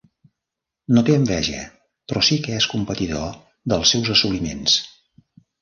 No té enveja, però sí que és competidor dels teus assoliments.